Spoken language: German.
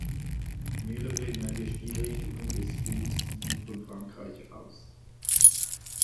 Mehrere neue Stilrichtungen des Films gingen von Frankreich aus.